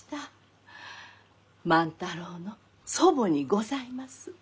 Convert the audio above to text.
万太郎の祖母にございます。